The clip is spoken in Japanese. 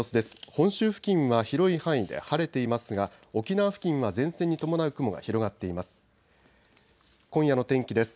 本州付近は広い範囲で晴れていますが沖縄付近は前線に伴う雲が広がっています。